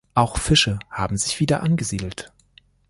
Auch Fische haben sich wieder angesiedelt.